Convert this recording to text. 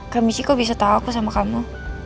kak michi kok bisa tau aku sama kamu